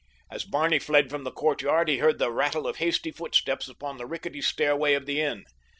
As Barney fled from the courtyard he heard the rattle of hasty footsteps upon the rickety stairway of the inn.